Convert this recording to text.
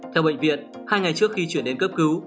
theo bệnh viện hai ngày trước khi chuyển đến cấp cứu